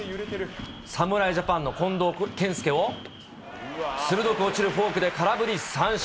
侍ジャパンの近藤健介を鋭く落ちるフォークで空振り三振。